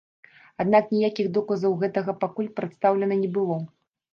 Аднак ніякіх доказаў гэтага пакуль прадстаўлена не было.